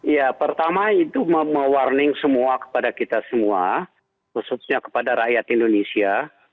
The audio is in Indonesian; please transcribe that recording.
ya pertama itu mewarning semua kepada kita semua khususnya kepada rakyat indonesia